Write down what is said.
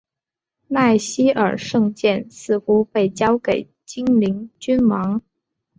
纳希尔圣剑似乎被交给精灵君王。